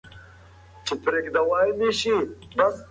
دا برېښنايي بایسکل په یوه ساعت کې پنځوس کیلومتره مزل کوي.